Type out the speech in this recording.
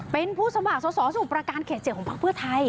เป็นผู้สมัครสวสอบสู่ประการแข่เจียงของภักดิ์เพื่อไทย